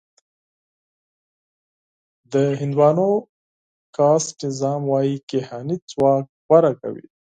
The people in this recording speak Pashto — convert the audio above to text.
د هندوانو کاسټ نظام وايي کیهاني ځواک غوره کوي.